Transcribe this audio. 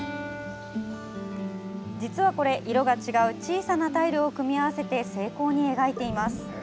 実はこれ、色が違う小さなタイルを組み合わせて精巧に描いています。